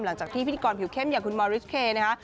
หลังจากที่พิธีกรผิวเข้มอย่างคุณมอริสเคนะคะ